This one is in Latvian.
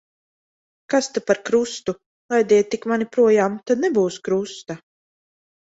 Kas ta par krustu. Laidiet tik mani projām, un tad nebūs krusta.